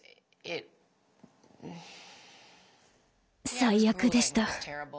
最悪でした。